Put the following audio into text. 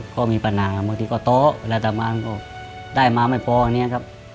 ก็มีปัญหาบางทีก็โต๊ะเวลาทำงานก็ได้มาไม่พออันนี้ครับ